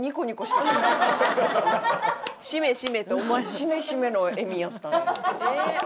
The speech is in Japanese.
「しめしめ」の笑みやったんや。